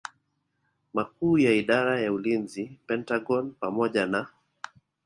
Makuu ya Idara ya Ulinzi Pentagon pamoja na